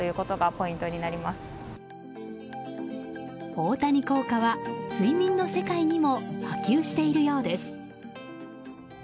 大谷効果は、睡眠の世界にも波及しているようです。